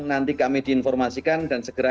nanti kami diinformasikan dan segera